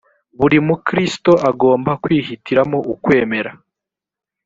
buri mukristo agomba kwihitiramo ukwemera .